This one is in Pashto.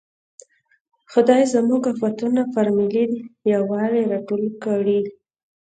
خدای زموږ افتونه پر ملي یوالي راټول کړي.